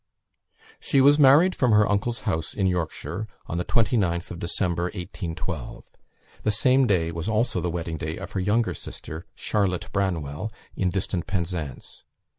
She was married from her uncle's house in Yorkshire, on the 29th of December, 1812; the same day was also the wedding day of her younger sister, Charlotte Branwell, in distant Penzance.